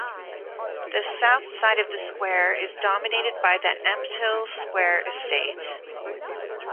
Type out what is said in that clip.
The south side of the square is dominated by the Ampthill Square Estate.